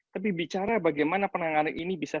tapi bicara bagaimana penanganan ini bisa